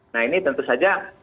nah ini tentu saja